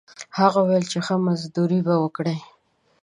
هغه وویل چې ښه مزدوري به ورکړي.